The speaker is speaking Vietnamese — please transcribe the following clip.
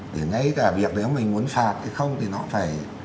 để ngay cả việc nếu mình muốn phạt hay không thì nó phải